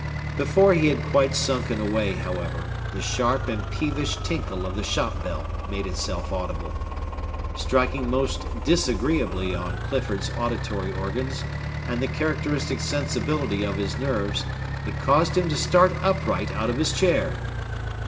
Before he had quite sunken away, however, the sharp and peevish tinkle of the shop bell made itself audible. Striking most disagreeably on Clifford's auditory organs and the characteristic sensibility of his nerves, it caused him to start upright out of his chair.